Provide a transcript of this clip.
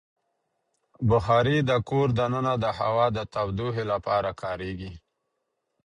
بخاري د کور دننه د هوا د تودوخې لپاره کارېږي.